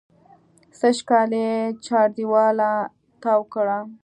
سږکال یې چاردېواله تاو کړه.